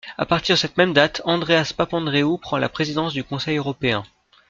À partir de cette même date, Andréas Papandréou prend la présidence du Conseil européen.